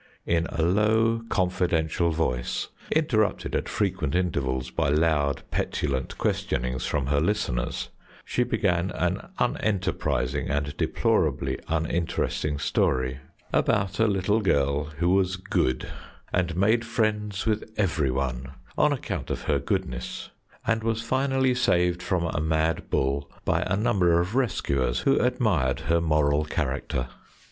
In a low, confidential voice, interrupted at frequent intervals by loud, petulant questionings from her listeners, she began an unenterprising and deplorably uninteresting story about a little girl who was good, and made friends with every one on account of her goodness, and was finally saved from a mad bull by a number of rescuers who admired her moral character.